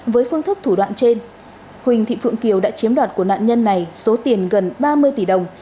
với phương thức thủ đoạn trên huỳnh thị phượng kiều đã chiếm đoạt của nạn nhân này số tiền gần ba mươi tỷ đồng